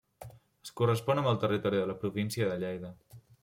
Es correspon amb el territori de la província de Lleida.